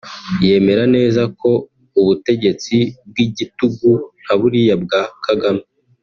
yemera neza ko ubutegetsi bw’igitugu nka buriya bwa Kagame